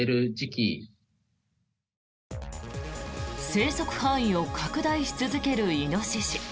生息範囲を拡大し続けるイノシシ。